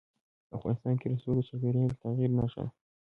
افغانستان کې رسوب د چاپېریال د تغیر نښه ده.